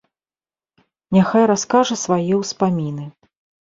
Няхай раскажа свае ўспаміны.